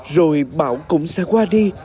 rồi bão cũng sẽ qua đi